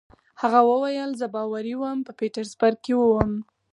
هغه وویل: زه باوري وم، په پیټسبرګ کې ووم.